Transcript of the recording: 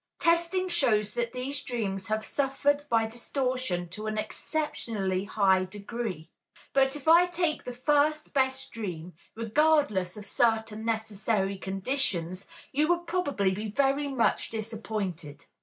Testing shows that these dreams have suffered by distortion to an exceptionally high degree. But if I take the first best dream, regardless of certain necessary conditions, you would probably be very much disappointed.